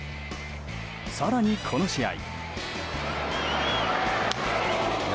更に、この試合。